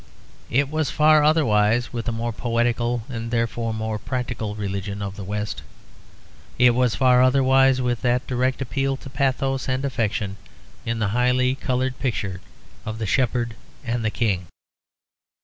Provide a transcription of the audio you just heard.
It was far otherwise with the more poetical and therefore more practical religion of the West. It was far otherwise with that direct appeal to pathos and affection in the highly coloured picture of the Shepherd and the King.